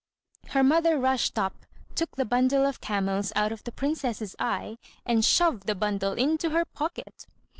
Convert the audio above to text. Her mother rushed up, took the bundle of camels out of the princess's eye, and shoved the bundle into her pocket.